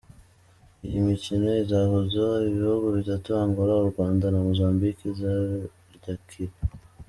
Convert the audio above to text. Iyi mikino izahuza ibhugu bitatu, Angola ,u Rwanda na Mozambique izaryakira.